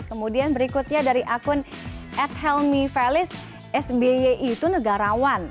kemudian berikutnya dari akun edhelmi felis sby itu negarawan